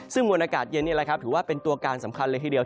ซึ่งมวลอากาศเย็นนี่แหละครับถือว่าเป็นตัวการสำคัญเลยทีเดียว